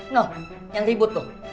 nuh yang ribut tuh